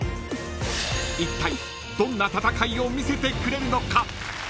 ［いったいどんな戦いを見せてくれるのか］